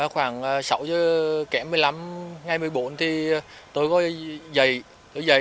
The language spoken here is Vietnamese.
khoảng sáu một mươi năm ngày một mươi bốn thì tôi có dậy